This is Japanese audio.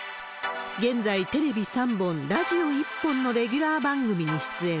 現在、テレビ３本、ラジオ１本のレギュラー番組に出演。